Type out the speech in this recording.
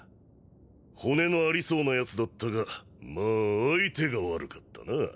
骨のありそうなやつだったがまあ相手が悪かったな。